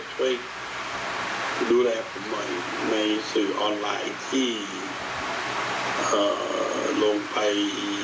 ช่วยดูแลผมหน่อยในสื่อออนไลน์ที่ลงไป